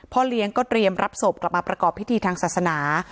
เลี้ยงก็เตรียมรับศพกลับมาประกอบพิธีทางศาสนา